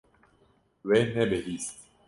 We nebihîst.